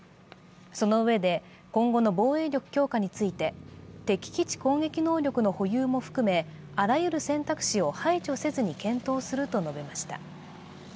そのうえで今後の防衛力強化について、敵基地攻撃能力の保有も含めあらゆる選択肢を排除せずに検討すると述べました。